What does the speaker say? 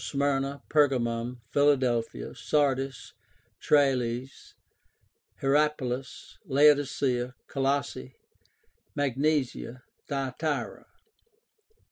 Smyrna, Pergamum, Philadelphia, Sardis, Tralles, Hierapolis, Laodicea, Colossae, Magnesia, Thyatira).